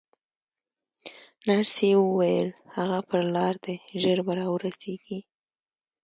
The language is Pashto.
نرسې وویل: هغه پر لار دی، ژر به راورسېږي.